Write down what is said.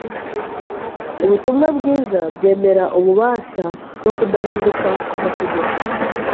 Ubutumwa bwiza bwemera ububasha no kudahinduka kw’amategeko.